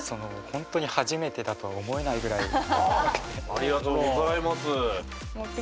ありがとうございます。